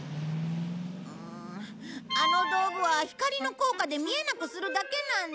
あの道具は光の効果で見えなくするだけなんだ。